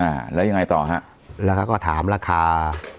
อ่าแล้วยังไงต่อฮะแล้วเขาก็ถามราคา